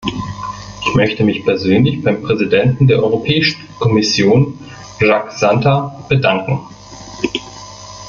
Ich möchte mich persönlich beim Präsidenten der Europäischen Kommission Jacques Santer bedanken.